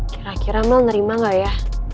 kira kira mel nerima gak ya